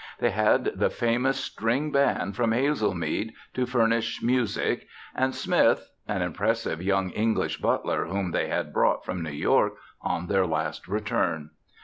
They had the famous string band from Hazelmead to furnish music, and Smith an impressive young English butler whom they had brought from New York on their last return.